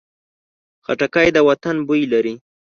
خټکی د وطن بوی لري.